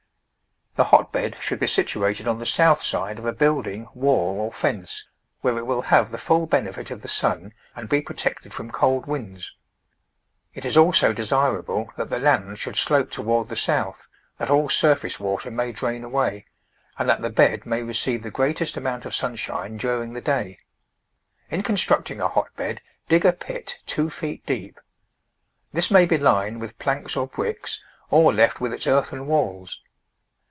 The hotbed should be situated on the south side of a building, wall or fence, where it will have the full benefit of the sun and be protected from cold winds. It is also desirable that the land should slope toward the south, that all surface water may drain away, and that the bed may receive the greatest amount of sunshine during the day. In constructing a hotbed dig a pit two feet deep. This may be lined with planks or bricks, or left with its earthen walls.